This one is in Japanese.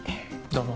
どうも。